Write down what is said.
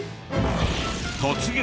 突撃！！